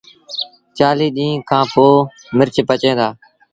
چآليٚه ڏيݩهآݩ کآݩ پو مرچ پچيٚن دآ